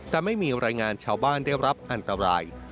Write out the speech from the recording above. แต่ไม่มีรายงานชาวบ้านได้รับอันตราย